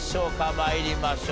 参りましょう。